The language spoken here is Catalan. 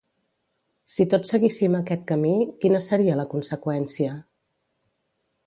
Si tots seguíssim aquest camí, quina seria la conseqüència?